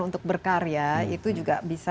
untuk berkarya itu juga bisa